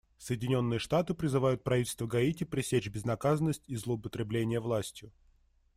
Соединенные Штаты призывают правительство Гаити пресечь безнаказанность и злоупотребления властью.